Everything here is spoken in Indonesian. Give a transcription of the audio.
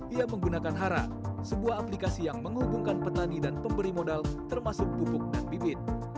ia menggunakan hara sebuah aplikasi yang menghubungkan petani dan pemberi modal termasuk pupuk dan bibit